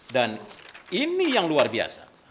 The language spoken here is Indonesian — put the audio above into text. dan ini yang luar biasa